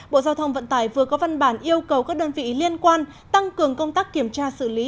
bộ giao thông vận tải vừa có văn bản yêu cầu các đơn vị liên quan tăng cường công tác kiểm tra xử lý